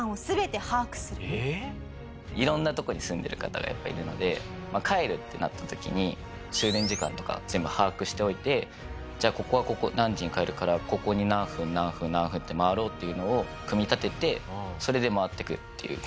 色んな所に住んでる方がいるので帰るってなった時に終電時間とか全部把握しておいてじゃあここは何時に帰るからここに何分何分何分って回ろうっていうのを組み立ててそれで回っていくっていう事をしてます。